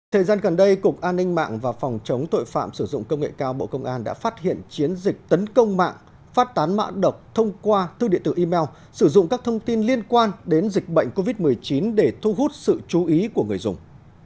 thời gian gần đây cục an ninh mạng và phòng chống tội phạm sử dụng công nghệ cao bộ công an đã phát hiện chiến dịch tấn công mạng phát tán mã độc thông qua thư điện tử email sử dụng các thông tin liên quan đến dịch bệnh covid một mươi chín để thu hút sự chú ý của người dùng